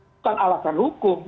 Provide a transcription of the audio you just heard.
bukan alasan hukum